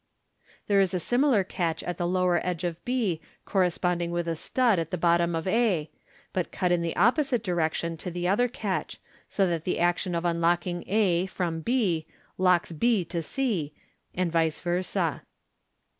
There is a similar catch at the lower edge of b, corresponding with a stud at the bottom of a, but cut 'm the opposite direction to the other catch, so that the action of unlock ing a from b locks b to c, and vice versa.